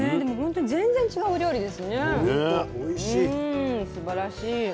うんすばらしい。